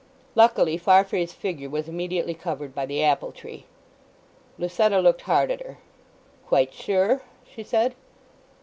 Luckily Farfrae's figure was immediately covered by the apple tree. Lucetta looked hard at her. "Quite sure?" she said.